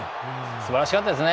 すばらしかったですね。